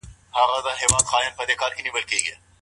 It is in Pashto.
ثیبه ښځه باید په خپله خوښه نکاح وکړي.